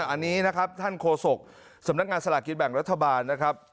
อันนี้นะครับท่านโฆษกสำนักงานสลากกินแบ่งรัฐบาลนะครับ